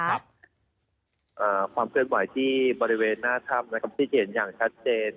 ความเคลื่อนไหวที่บริเวณหน้าถ้ำที่จะเห็นอย่างชัดเจน